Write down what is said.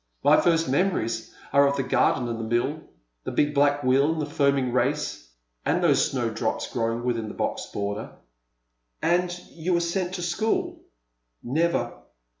My first memories are of the garden and the mill — the big black wheel and the foaming race — and those snowdrops grow ing within the box border." " And you were sent to school "" Never.